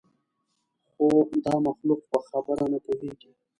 خو دا مخلوق په خبره نه پوهېږي.